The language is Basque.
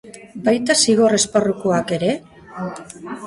Baita zigor esparrukoak ere?